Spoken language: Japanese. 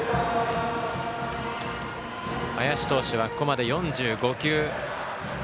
林投手はここまで４５球。